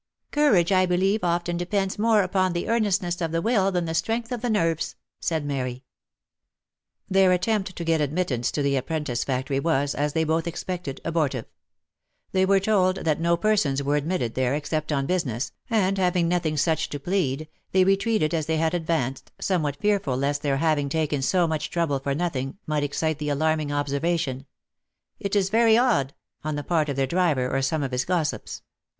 Courage, I believe, often depends more upon the earnestness of the will than the strength of the nerves, ,r said Mary. Their attempt to get admittance to the apprentice factory was, as they both expected, abortive; they were told that no persons were admitted there except on business, and having nothing such to plead, they retreated as they had advanced, somewhat fearful lest their having taken so much trouble for nothing, might excite the alarming observa tion, " It is very odd," on the part of their driver or some of his gossips.